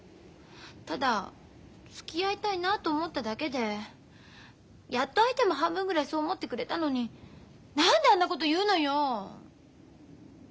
ただつきあいたいなと思っただけでやっと相手も半分ぐらいそう思ってくれたのに何であんなこと言うのよ。